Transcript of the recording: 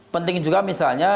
penting juga misalnya